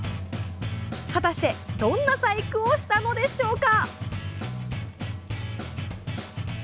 果たしてどんな細工をしたのでしょうか。